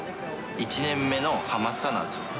１年目のハマスタなんですよ。